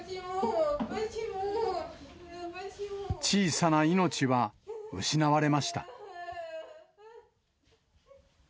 小さな命は失われました。